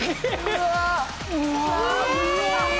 うわ！